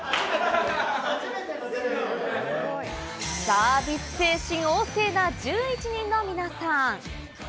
サービス精神旺盛な１１人の皆さん。